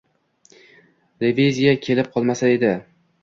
Reviziya kelib qolmasa edi.